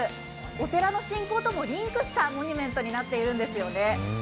お寺の信仰ともリンクしたところになっているんですよね。